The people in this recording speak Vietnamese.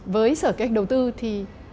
với sở kế hoạch đầu tư thì